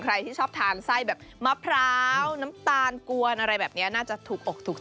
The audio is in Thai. ใครที่ชอบทานไส้แบบมะพร้าวน้ำตาลกวนอะไรแบบนี้น่าจะถูกอกถูกใจ